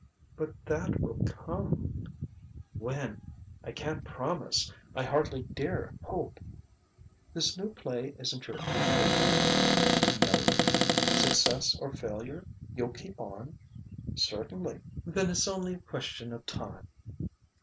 "But that will come " "When? I can't promise I hardly dare hope " "This new play isn't your only hope?" "No " "Success or failure, you'll keep on?" "Certainly...." "Then it's only a question of time."